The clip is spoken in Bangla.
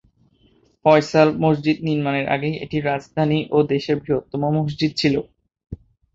ফয়সাল মসজিদ নির্মাণের আগে এটি রাজধানী ও দেশের বৃহত্তম মসজিদ ছিল।